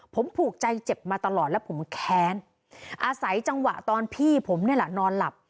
ผมผูกใจเจ็บมาตลอดแล้วผมแค้นอาศัยจังหวะตอนพี่ผมนี่แหละนอนหลับ